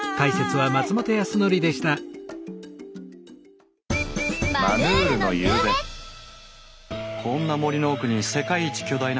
こんな森の奥に世界一巨大な花があるって？